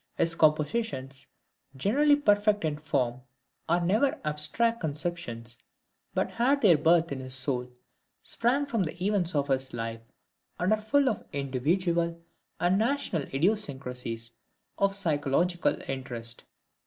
His compositions, generally perfect in form, are never abstract conceptions, but had their birth in his soul, sprang from the events of his life, and are full of individual and national idiosyncrasies, of psychological interest.